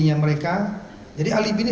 nya mereka jadi alibi ini